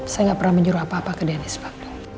saya nggak pernah menyuruh apa apa ke dennis pak